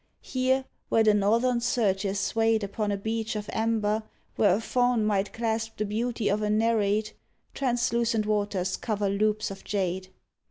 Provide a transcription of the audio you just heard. Here, where the northern surge is swayed Upon a beach of amber where a faun Might clasp the beauty of a Nereid, Translucent waters cover loops of jade.